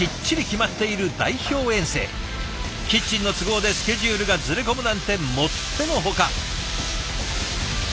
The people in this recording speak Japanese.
キッチンの都合でスケジュールがずれ込むなんてもってのほか。